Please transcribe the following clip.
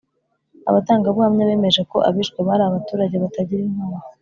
abatangabuhamya bemeje ko abishwe bari abaturage batagira intwaro,